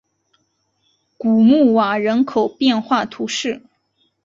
古穆瓦人口变化图示